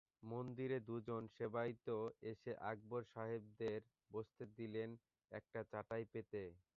মন্দিরের দুজন সেবায়েত এসে আকবর সাহেবদের বসতে দিলেন একটা চাটাই পেতে।